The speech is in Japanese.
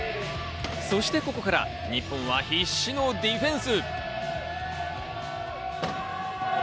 そしてここから日本は必死のディフェンス。